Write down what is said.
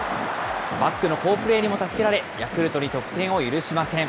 バックの好プレーにも助けられ、ヤクルトに得点を許しません。